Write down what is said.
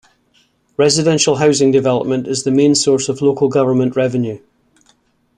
Residential housing development is the main source of local government revenue.